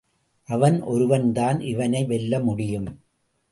அவன் ஒருவன்தான் இவனை வெல்ல முடியும்.